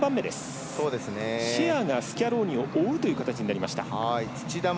シェアがスキャローニを追う形になりました。